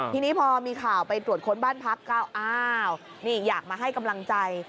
ทีนี้พอมีข่าวไปตรวจค้นบ้านพักก็อ้าวนี่อยากมาให้กำลังใจ